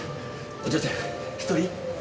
お嬢ちゃん１人？